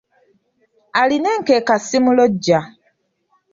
"Alina enkeka simulojja,"